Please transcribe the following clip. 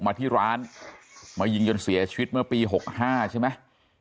มาที่ร้านมายิงจนเสียชีวิตเมื่อปี๖๕ใช่ไหม